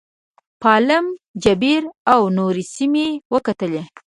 پالم جبیره او نورې سیمې وکتلې.